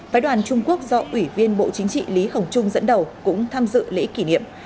phái đoàn trung quốc do ủy viên bộ chính trị lý khổng trung dẫn đầu cũng tham dự lễ kỷ niệm